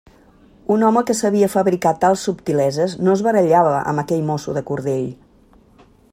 Un home que sabia fabricar tals subtileses no es barallava amb aquell mosso de cordell.